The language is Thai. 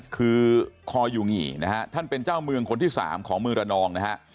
คือคอยูงี่นะฮะท่านเป็นเจ้าเมืองคนที่๓ของเมืองระนองนะฮะ